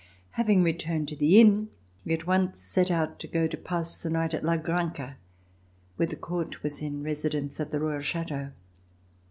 Having returned to the inn, we at once set out to go to pass the night at La Granja, where the Court was in residence at the Royal Chateau.